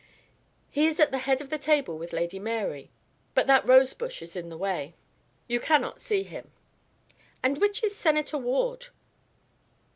"He is at the head of the table with Lady Mary, but that rosebush is in the way; you cannot see him." "And which is Senator Ward?"